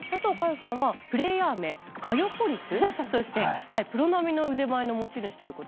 さんはプレイヤー名かよぽりすとしてプロ並みの腕前の持ち主ということなんですが。